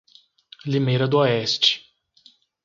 Limeira do Oeste